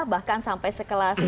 bahkan sampai sekelas